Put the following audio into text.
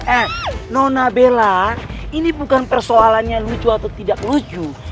eh nona bella ini bukan persoalannya lucu atau tidak lucu